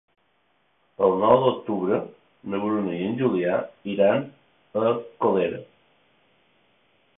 El nou d'octubre na Bruna i en Julià iran a Colera.